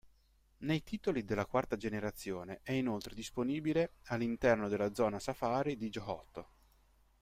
Nei titoli della quarta generazione è inoltre disponibile all'interno della Zona Safari di Johto.